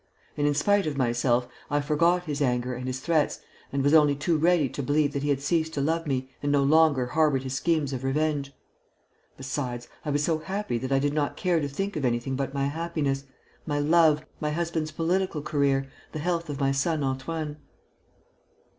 And, in spite of myself, I forgot his anger and his threats and was only too ready to believe that he had ceased to love me and no longer harboured his schemes of revenge. Besides, I was so happy that I did not care to think of anything but my happiness, my love, my husband's political career, the health of my son Antoine."